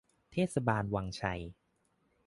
เทศบาลวังชัย